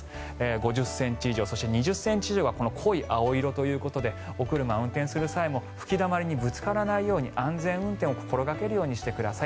５０ｃｍ以上そして２０ｃｍ以上が濃い青色ということでお車運転する際も吹きだまりにぶつからないように安全運転を心掛けるようにしてください。